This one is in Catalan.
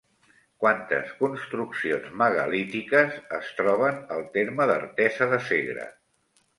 Quantes construccions megalítiques es troben al terme d'Artesa de Segre?